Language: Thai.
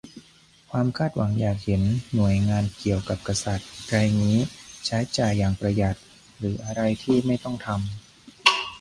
ความคาดหวังอยากเห็นหน่วยงานเกี่ยวกับกษัตริย์ไรงี้ใช้จ่ายอย่างประหยัด หรืออะไรที่ไม่ต้องทำ